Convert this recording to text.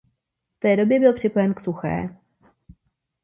V té době byl připojen k Suché.